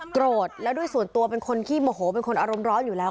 โกรธแล้วด้วยส่วนตัวเป็นคนขี้โมโหเป็นคนอารมณ์ร้อนอยู่แล้ว